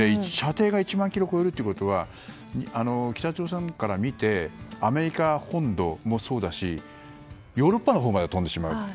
射程が１万ｋｍを超えるということは北朝鮮から見てアメリカ本土もそうだしヨーロッパのほうまで飛んでしまう。